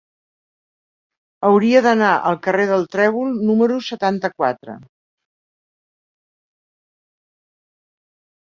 Hauria d'anar al carrer del Trèvol número setanta-quatre.